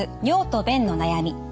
尿と便の悩み」